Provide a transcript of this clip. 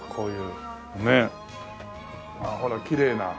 ああほらきれいな。